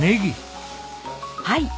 はい。